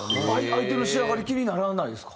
相手の仕上がり気にならないですか？